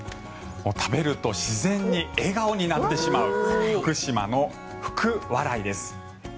食べると自然に笑顔になってしまう福島の福、笑いです。